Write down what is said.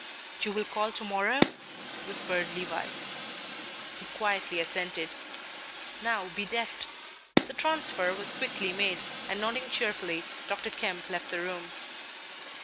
"You will call to morrow?" whispered Levice. He quietly assented. "Now be deft." The transfer was quickly made, and nodding cheerfully, Dr. Kemp left the room.